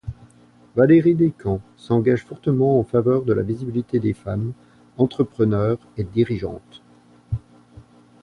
Valérie Decamp s’engage fortement en faveur de la visibilité des femmes Entrepreneures et Dirigeantes.